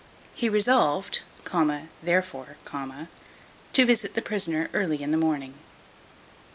He resolved, therefore, to visit the prisoner early in the morning.